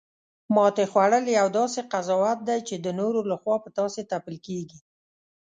ماتې خوړل یو داسې قضاوت دی، چی د نورو لخوا په تاسې تپل کیږي